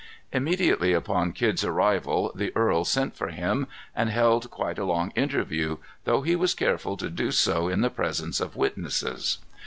Immediately upon Kidd's arrival the earl sent for him, and held quite a long interview, though he was careful to do so in the presence of witnesses.